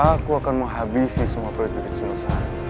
aku akan menghabisi semua proyek tersebut